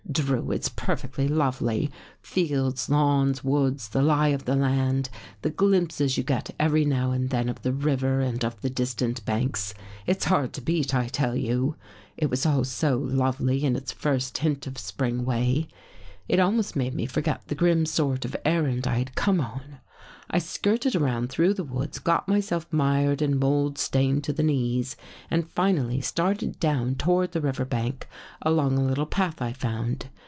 Drew, it's perfectly lovely — fields, lawns, woods, the lie of the land, the glimpses you get every now and then of the river and of the distant banks. It's hard to beat, I tell you. It was all so lovely in its first hint of spring way. It almost made me forget the grim sort of errand I had come on. I skirted around through the woods, got myself mired and mold stained to the knees and finally started down toward the river bank along a little path I found.